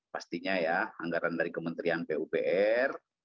pastinya ya anggaran dari kementerian pupr